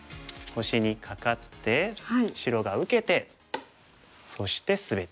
星にカカって白が受けてそしてスベって。